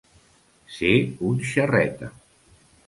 Ser un xerreta.